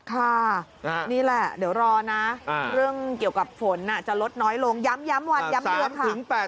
ค่ะนี่แหละเดี๋ยวรอนะเรื่องเกี่ยวกับฝนจะลดน้อยลงย้ำวันย้ำเดือนค่ะ